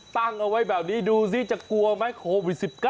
ตั้งเอาไว้แบบนี้ดูสิจะกลัวไหมโควิด๑๙